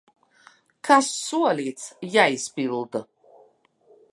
Kas solīts, jāizpilda!